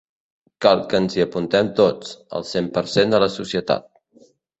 Cal que ens hi apuntem tots, el cent per cent de la societat.